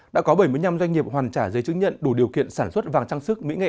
đã có bảy mươi năm doanh nghiệp hoàn trả giấy chứng nhận đủ điều kiện sản xuất vàng trang sức mỹ nghệ